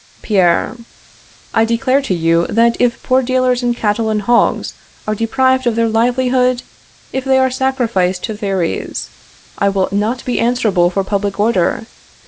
Pierre. I declare to you that if the poor dealers in cattle and hogs are deprived of their livelihood, if they are sacrificed to theories, I will not be answerable for public order.